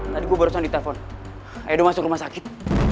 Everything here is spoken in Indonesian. tadi gue barusan ditelepon edo masuk rumah sakit